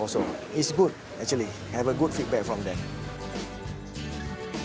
dapatkan pendapat yang baik dari mereka